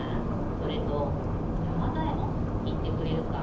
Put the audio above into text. それとたまざえもんいってくれるか？